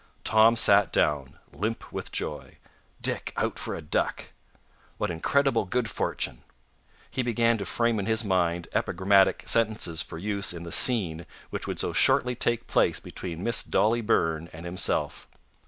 Tom sat down, limp with joy. Dick out for a duck! What incredible good fortune! He began to frame in his mind epigrammatic sentences for use in the scene which would so shortly take place between Miss Dolly Burn and himself.